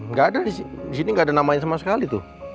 nggak ada di sini nggak ada namanya sama sekali tuh